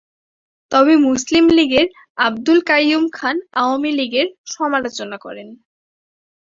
তবে মুসলিম লীগের আবদুল কাইয়ূম খান আওয়ামী লীগের সমালোচনা করেন।